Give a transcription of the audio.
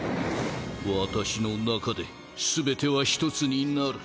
私の中で全ては一つになる。